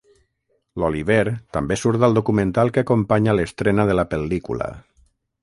L'Oliver també surt al documental que acompanya l'estrena de la pel·lícula.